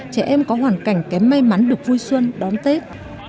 trẻ em có hoàn cảnh kém may mắn được vui xuân đón tết